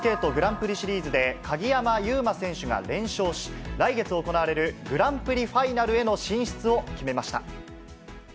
フィギュアスケートグランプリシリーズで、鍵山優真選手が連勝し、来月行われるグランプリファイナルへの進出を決めました。